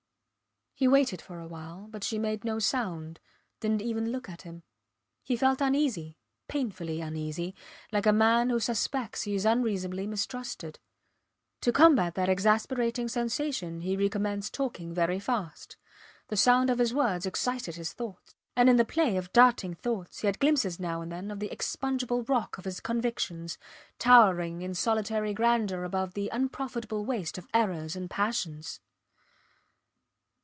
He waited for a while, but she made no sound, didnt even look at him; he felt uneasy, painfully uneasy, like a man who suspects he is unreasonably mistrusted. To combat that exasperating sensation he recommenced talking very fast. The sound of his words excited his thoughts, and in the play of darting thoughts he had glimpses now and then of the inexpugnable rock of his convictions, towering in solitary grandeur above the unprofitable waste of errors and passions.